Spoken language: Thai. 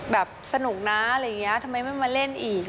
สนุกนะอะไรอย่างนี้ทำไมไม่มาเล่นอีก